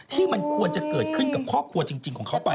ที่มันควรจะเกิดขึ้นกับครอบครัวจริงของเขาไป